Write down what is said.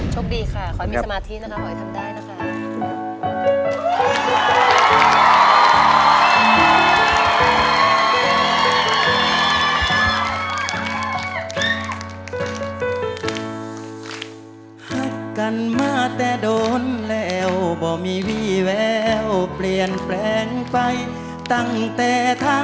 โชคดีค่ะขอให้มีสมาธินะคะหอยทำได้นะคะ